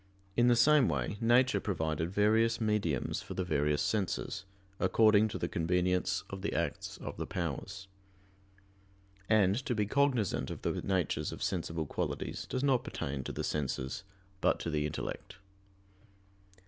In the same way nature provided various mediums for the various senses, according to the convenience of the acts of the powers. And to be cognizant of the natures of sensible qualities does not pertain to the senses, but to the intellect.